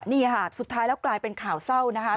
นี่ค่ะสุดท้ายแล้วกลายเป็นข่าวเศร้านะคะ